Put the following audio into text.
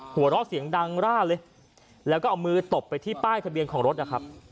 หัวเราะเสียงดังร่าเลยแล้วก็เอามือตบไปที่ป้ายทะเบียนของรถนะครับ